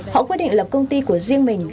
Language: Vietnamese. họ quyết định lập công ty của riêng mình